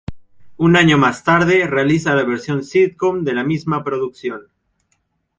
Un año más tarde realiza la versión sitcom de la misma producción.